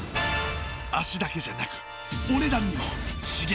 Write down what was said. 足だけじゃなくお値段にも刺激を。